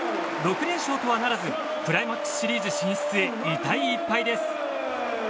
６連勝とはならずクライマックスシリーズ進出へ痛い１敗です。